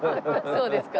「そうですか」。